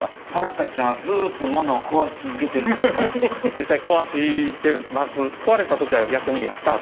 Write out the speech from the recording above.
実際壊してます。